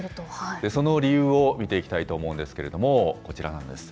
その理由を見ていきたいと思うんですけれども、こちらなんです。